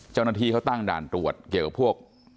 เจ้าหน้าที่เขาตั้งด่านตรวจเกี่ยวกับพวก